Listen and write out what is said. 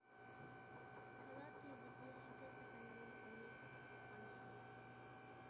كالا تېزىكى ھەقىقەتەنمۇ ئۇنى ئىسسىتقان ئىدى.